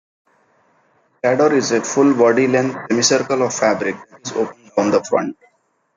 A chador is a full-body-length semicircle of fabric that is open down the front.